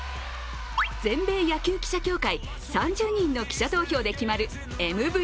全米野球記者協会３０人の記者投票で決まるＭＶＰ。